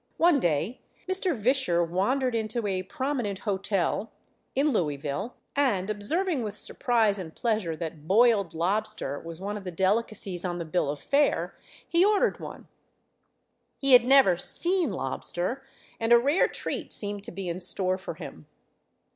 One day Mr. Visscher wandered into a prominent hotel in Louisville, and, observing with surprise and pleasure that "boiled lobster" was one of the delicacies on the bill of fare, he ordered one. He never had seen lobster, and a rare treat seemed to be in store for him.